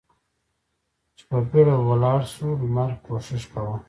چې په بېړه ولاړ شو، لمر کوښښ کاوه.